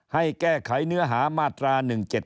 ให้แก้ไขเนื้อหามาตรา๑๗๗